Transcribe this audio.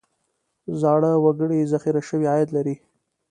زاړه وګړي ذخیره شوی عاید لري.